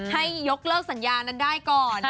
ให้ยกเลิกสัญญานั้นได้ก่อน